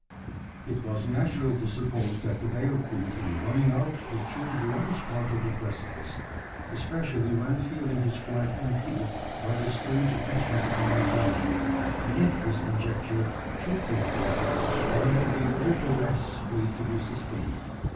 It was natural to suppose that the bearcoot in going out would choose the lowest part of the precipice especially when feeling his flight impeded by the strange attachment upon his leg; and if this conjecture should prove correct, there would be all the less weight to be sustained.